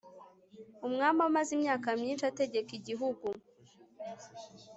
umwami amaze imyaka myinshi ategeka igihugu